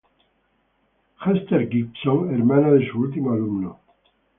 Hester Gibbon, hermana de su último alumno.